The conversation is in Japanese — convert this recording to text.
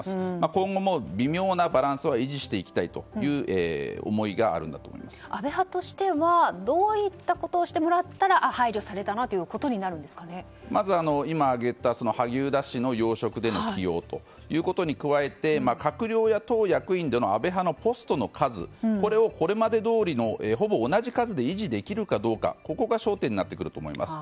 今後も微妙なバランスを維持していきたいという安倍派としてはどういったことをしてもらったら配慮されたなということにまず、今挙げた萩生田氏の要職での起用ということに加えて閣僚や党役員での安倍派のポストの数をこれまでどおりのほぼ同じ数で維持できるかどうかが焦点になってくると思います。